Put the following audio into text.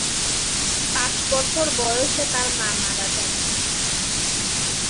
পাঁচ বছর বয়সে তার মা মারা যান।